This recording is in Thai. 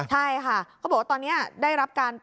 ใช่ค่ะเขาบอกว่าตอนนี้ได้รับการ